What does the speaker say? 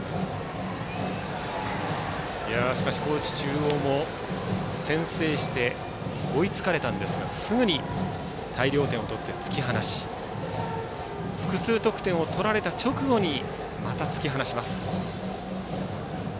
高知中央も先制して追いつかれたんですがすぐに大量点を取って突き放し複数得点を取られた直後にまた突き放します。